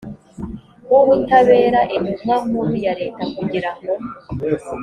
w ubutabera intumwa nkuru ya leta kugira ngo